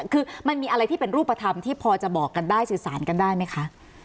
คือมันมีอะไรที่เป็นรูปธรรมที่พอจะบอกกันได้สื่อสารกันได้ไหมคะ